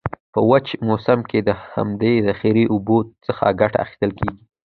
په وچ موسم کې د همدي ذخیره اوبو څخه کټه اخیستل کیږي.